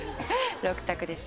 ６択です。